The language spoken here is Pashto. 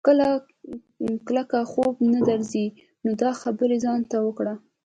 که کله خوب نه درځي نو دا خبرې ځان ته وکړه.